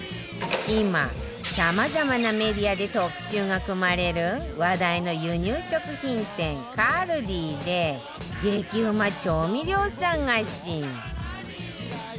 今さまざまなメディアで特集が組まれる話題の輸入食品店 ＫＡＬＤＩ で激うま調味料探しあっ！